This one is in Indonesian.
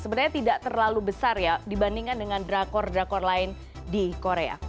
sebenarnya tidak terlalu besar ya dibandingkan dengan drakor drakor lain di korea